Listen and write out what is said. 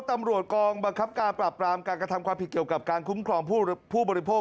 ตำรวจกองบังคับการปราบปรามการกระทำความผิดเกี่ยวกับการคุ้มครองผู้บริโภค